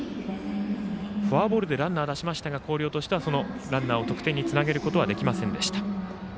フォアボールでランナー出しましたが、広陵としてはそのランナーを得点につなげることはできませんでした。